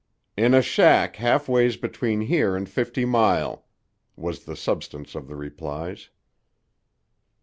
"In a shack half ways between here and Fifty Mile," was the substance of the replies.